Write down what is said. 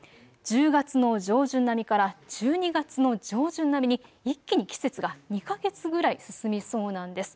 １０月の上旬並みから１２月の上旬並みに一気に季節が２か月ぐらい進みそうなんです。